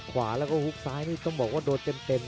กันต่อแพทย์จินดอร์